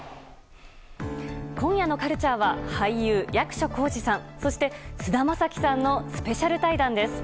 今夜のカルチャーは俳優・役所広司さんそして菅田将暉さんのスペシャル対談です。